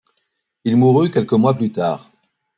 Il mourut quelques mois plus tard.